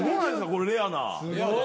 これレアな。